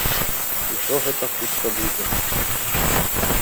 Усё гэта хутка будзе!